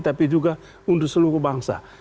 tapi juga untuk seluruh bangsa